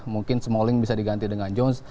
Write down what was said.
mungkin smalling bisa diganti dengan jones